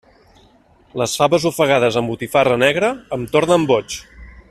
Les faves ofegades amb botifarra negra em tornen boig.